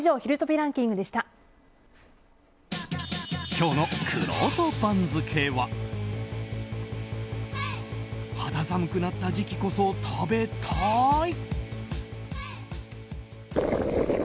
今日のくろうと番付は肌寒くなった時期こそ食べたい。